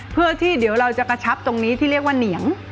เพื่อที่เดี๋ยวเราจะกระชับตรงนี้ที่เรียกว่าเหนียง